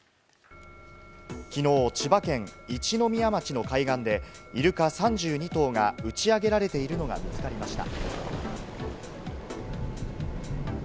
昨日、千葉県一宮町の海岸で、イルカ３２頭が打ち上げられているのが見つかりました。